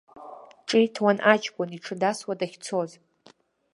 Ҿиҭуан аҷкәын, иҽы дасуа дахьцоз.